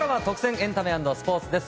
エンタメ＆スポーツです。